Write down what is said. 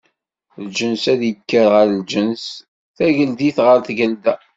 Lǧens ad d-ikker ɣer lǧens, tageldit ɣer tgelda.